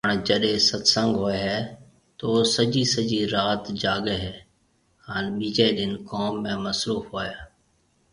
پڻ جڏي ست سنگ هوئي هي تو او سجي سجي رات جاگي هي هان ٻيجي ڏن ڪوم ۾ مصروف هوئي